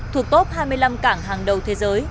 thuộc top hai mươi năm cảng hàng đầu thế giới